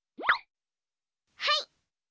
はい！